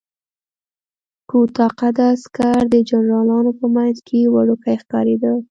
کوتاه قده عسکر د جنرالانو په منځ کې وړوکی ښکارېده.